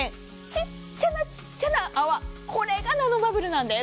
ちっちゃなちっちゃな泡、これがナノバブルなんです。